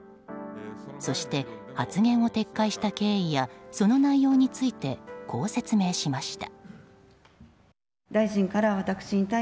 そして、発言を撤回した経緯やその内容についてこう説明しました。